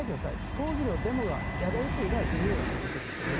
抗議のデモがやれるというのは自由だということですよね。